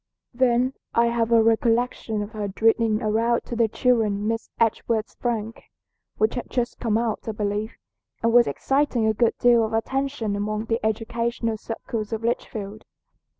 "Then I have a recollection of her reading aloud to the children Miss Edgeworth's 'Frank,' which had just come out, I believe, and was exciting a good deal of attention among the educational circles of Litchfield.